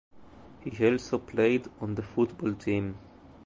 He also played on the football team.